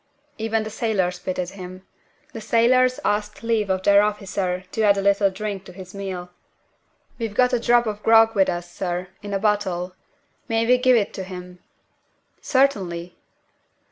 Even the sailors pitied him. The sailors asked leave of their officer to add a little drink to his meal. "We've got a drop of grog with us, sir, in a bottle. May we give it to him?" "Certainly!"